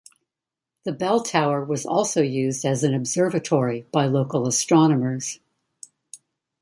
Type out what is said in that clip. The bell tower was also used as an observatory by local astronomers.